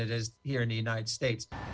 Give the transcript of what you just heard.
dan itu di amerika serikat